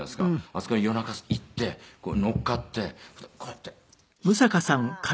あそこに夜中行って乗っかってこうやってシャワーみたいに。